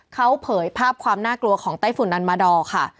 เขาเผยภาพความน่ากลัวของไต้ฝุ่นนันมาดอร์ค่ะ